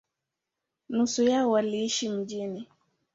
Nusu yao waliishi mjini.